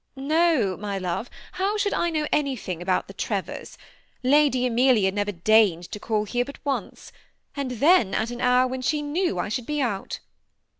<' "No, my love ; how should I know anything about the Trevors ? Ladj Amelia never deigned to call here but once, and then at an hour when she knew I should be out."